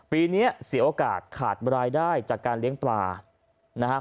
ปีนี้เสียโอกาสขาดรายได้จากการเลี้ยงปลานะครับ